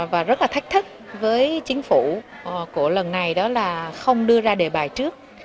và rất là thách thức với chính phủ của lần này đó là không đưa ra đề bài trước